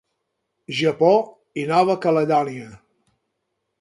Japó i Nova Caledònia.